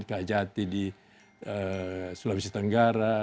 kajari di sulawesi tenggara